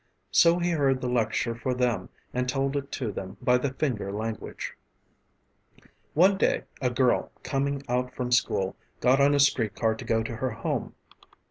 So he heard the lecture for them and told it to them by the finger language. One day a girl, coming out from school, got on a street car to go to her home.